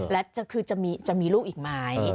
แล้วคือจะมีลูกอีกมั้ย